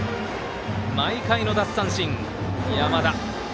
毎回の奪三振、山田。